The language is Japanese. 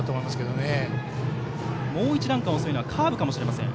もう１段階遅いのはカーブかもしれません。